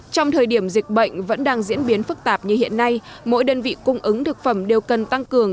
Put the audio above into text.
trong thời điểm dịch bệnh vẫn đang diễn biến phức tạp như hiện nay mỗi đơn vị cung ứng thực phẩm đều cần tăng cường